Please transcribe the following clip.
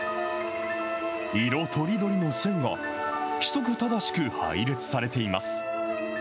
色とりどりの線が、規則正しく配列されています。